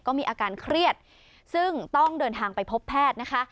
ก็มีอาการเครียดซึ่งต้องเดินทางไปพบแพทย์นะคะ